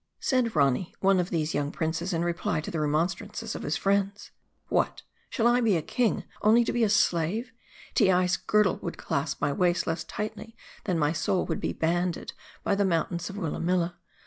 Said Rani, one of these young princes, in reply to the re monstrances of his friends, " What ! shall I be a king, only to be a slave ? Teei's girdle would clasp my waist less tightly, than my soul would be banded by the mountains of Willamilla.